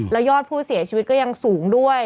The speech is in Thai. แล้วยอดผู้เสียชีวิตก็ยังสูงด้วย